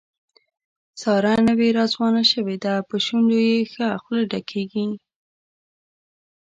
ساره نوې راځوانه شوې ده، په شونډو یې ښه خوله ډکېږي.